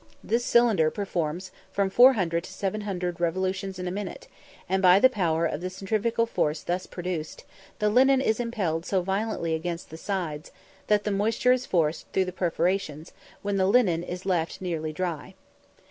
This cylinder performs from 400 to 700 revolutions in a minute, and, by the power of the centrifugal force thus produced, the linen is impelled so violently against the sides, that the moisture is forced through the perforations, when the linen is left nearly dry.